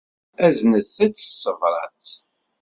Aznet-tt s tebṛat.